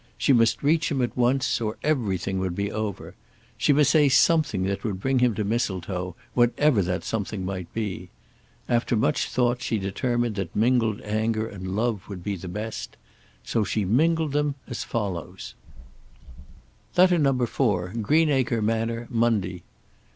She must reach him at once, or everything would be over. She must say something that would bring him to Mistletoe, whatever that something might be. After much thought she determined that mingled anger and love would be the best. So she mingled them as follows: LETTER NO. 4. Greenacre Manor, Monday.